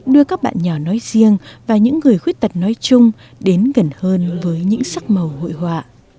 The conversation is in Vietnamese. đưa các bạn nhỏ nói riêng và những người khuyết tật nói chung đến gần hơn với những sắc màu hội họa